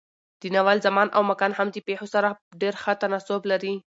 د ناول زمان او مکان هم د پېښو سره ډېر ښه تناسب لري.